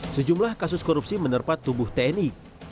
sejumlah kasus korupsi menerpa tubuh tni